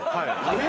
え！